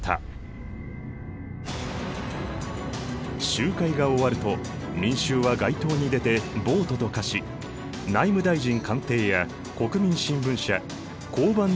集会が終わると民衆は街頭に出て暴徒と化し内務大臣官邸や国民新聞社交番などを襲撃。